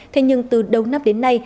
thế nhưng từ đầu nắp đến nay